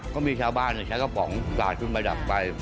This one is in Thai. ก็มีชาวบ้านใช้กระป๋องกราดขึ้นมาดับไฟ